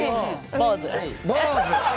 坊主。